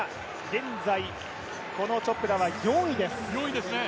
現在、チョプラは４位です。